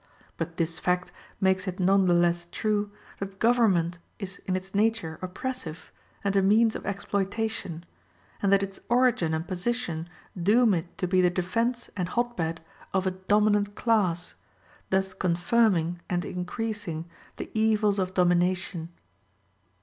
But this fact makes it none the less true that government is in its nature oppressive and a means of exploitation, and that its origin and position doom it to be the defence and hot bed of a dominant class, thus confirming and increasing the evils of domination.